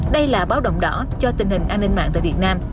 đây là báo động đỏ cho tình hình an ninh mạng tại việt nam